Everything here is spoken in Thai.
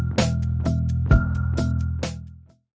โปรดติดตามตอนต่อไป